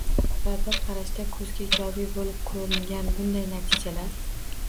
Va bir qarashda ko‘zga ijobiy bo‘lib ko‘ringan bunday natijalar